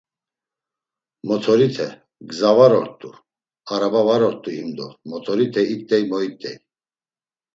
Motorite, gza var ort̆u, araba var ort̆u himdo motorite it̆ey moit̆ey.